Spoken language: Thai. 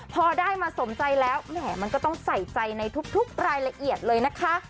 พอได้มาสมใจแล้วแหมมันก็ต้องใส่ใจในทุกรายละเอียดเลยนะคะ